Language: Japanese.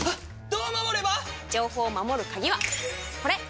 どう守れば⁉情報を守る鍵はこれ！